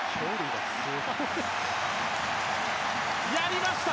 やりました！